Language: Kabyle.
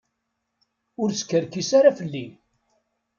Ur skerkis ara fell-i.